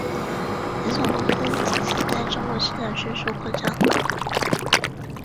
连锁公司自此在中国市场迅速扩张。